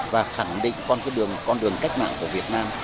và khẳng định con đường cách mạng của việt nam